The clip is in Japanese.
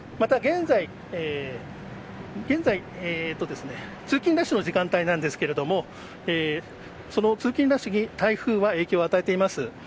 また現在通勤ラッシュの時間帯なんですけれどもその通勤ラッシュに台風は影響を与えています。